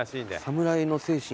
侍の精神。